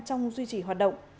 trong duy trì hoạt động